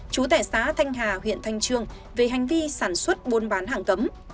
chú tẻ xá thanh hà huyền thanh trương về hành vi sản xuất buôn bán hàng cấm